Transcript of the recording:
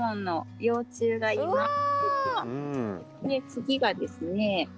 次がですね。